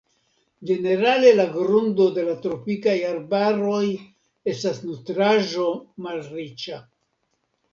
Ĝenerale la grundo de la tropikaj arbaroj estas nutraĵo-malriĉa.